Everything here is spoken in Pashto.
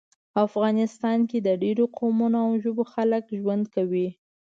افغانستان کې د ډیرو قومونو او ژبو خلک ژوند کوي